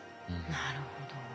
なるほど。